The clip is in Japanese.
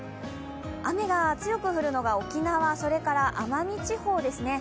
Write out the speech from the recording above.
雨が強く降るのは沖縄、それから奄美地方ですね。